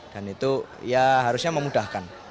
dan itu ya harusnya memudahkan